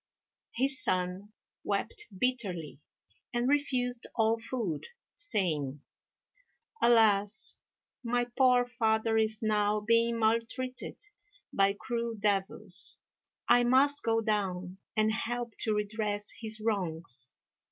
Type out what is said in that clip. His son wept bitterly, and refused all food, saying, "Alas! my poor father is now being maltreated by cruel devils; I must go down and help to redress his wrongs."